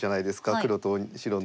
黒と白の。